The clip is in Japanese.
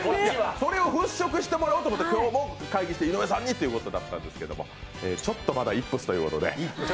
それを払拭してもらおうということで会議をして井上さんにということだったんですけどちょっと、まだイップスということで。